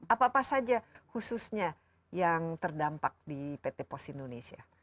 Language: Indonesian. apa apa saja khususnya yang terdampak di pt pos indonesia